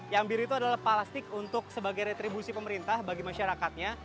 yang biru itu adalah plastik untuk sebagai retribusi pemerintah bagi masyarakatnya